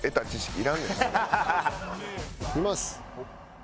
いきます。